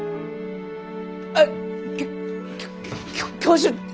あきょきょ教授！